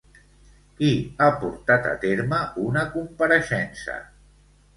Qui ha portat a terme una compareixença?